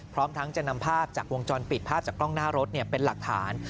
พร้อมทั้งจะนำภาพจากวงจรปิดภาพจากกล้องหน้ารถเป็นหลักฐาน